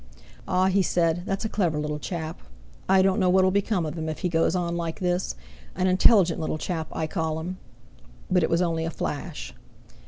"Ah!" he said, "that's a clever little chap. I don't know what'll become of him, if he goes on like this. An intelligent little chap, I call him!" But it was only a flash.